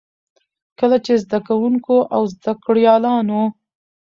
کله چې زده کـوونـکو او زده کړيـالانـو